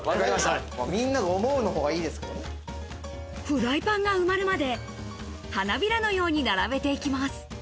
フライパンが埋まるまで花びらのように並べていきます。